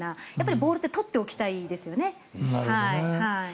ボールはやはり取っておきたいですよね。